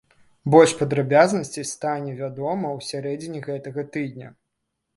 Больш падрабязнасцей стане вядома ў сярэдзіне гэтага тыдня.